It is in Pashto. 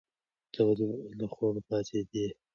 ته ولې له خوبه پاڅېدې؟